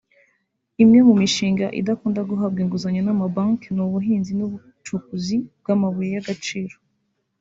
Imwe mu mishinga idakunda guhabwa inguzanyo n’amabanki ni ubuhinzi n’ubucukuzi bw’amabuye y’agaciro